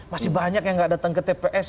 masih banyak yang nggak datang ke tps